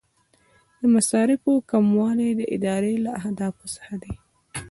د مصارفو کموالی د ادارې له اهدافو څخه دی.